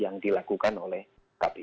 yang dilakukan oleh kpu